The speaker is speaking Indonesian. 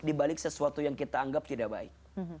di balik sesuatu yang kita anggap tidak baik